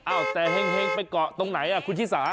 แต่เห็งไปเกาะตรงไหนคุณชิสา